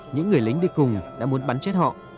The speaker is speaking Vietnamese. những người lính đi cùng đã muốn bắn chết họ